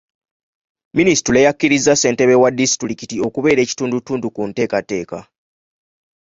Minisitule yakkiriza ssentebe wa disitulikiti okubeera ekitundutundu ku nteekateeka.